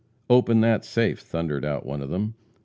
"Open that safe!" thundered out one of them.